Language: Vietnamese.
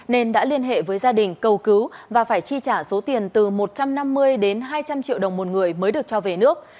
nên đã liên hệ với gia đình cầu cứu và phải chi trả số tiền từ một trăm năm mươi đến hai trăm linh triệu đồng một người mới được cho về nước